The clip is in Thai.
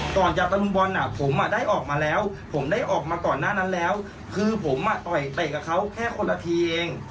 ก่อนจะตะลุมบอลอ่ะผมได้ออกมาแล้วผมได้ออกมาก่อนหน้านั้นแล้วคือผมอ่ะต่อยเตะกับเขาแค่คนละทีเอง